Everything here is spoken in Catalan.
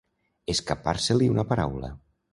Escapar-se-li una paraula.